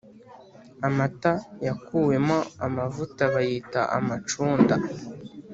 Amata yakuwemo amavuta bayita amacunda